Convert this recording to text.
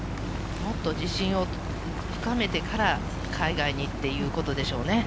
もっと自信を深めてから海外にっていうことでしょうね。